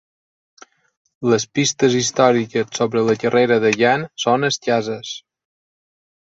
Les pistes històriques sobre la carrera de Yan són escasses.